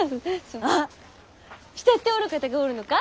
あっ慕っておる方がおるのか？